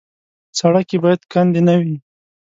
سړک کې باید کندې نه وي.